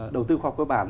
đầu tư khoa học cơ bản